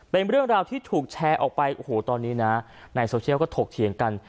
เป็นเรื่องราวที่ถูกแชร์ออกไปโอ้โหตอนนี้นะในโซเชียลก็ถกเถียงกัน